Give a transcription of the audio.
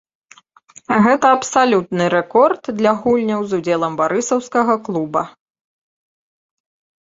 Гэта абсалютны рэкорд для гульняў з удзелам барысаўскага клуба.